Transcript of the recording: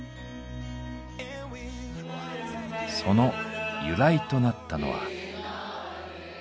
その由来となったのは。